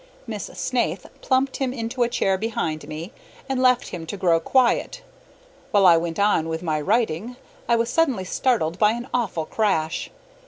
Miss Snaith plumped him into a chair behind me, and left him to grow quiet, while I went on with my writing. I was suddenly startled by an awful crash.